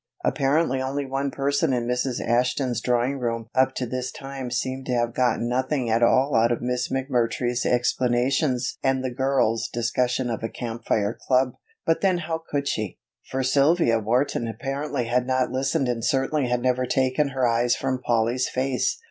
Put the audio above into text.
Apparently only one person in Mrs. Ashton's drawing room up to this time seemed to have gotten nothing at all out of Miss McMurtry's explanations and the girls' discussion of a Camp Fire club. But then how could she, for Sylvia Wharton apparently had not listened and certainly had never taken her eyes from Polly's face?